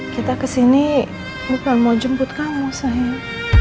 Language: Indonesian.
kita kesini bukan mau jemput kamu sayang